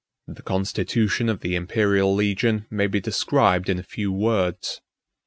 The constitution of the Imperial legion may be described in a few words.